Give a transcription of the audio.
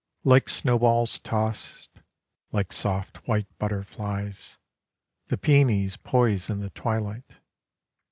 Like snowballs tossed, Like soft white butterflies, The peonies poise in the twilight.